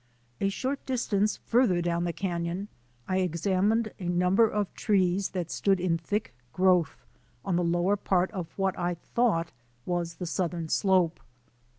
A short distance farther down the canon I ex amined a number of trees that stood in thick growth on the lower part of what I thought was the southern slope.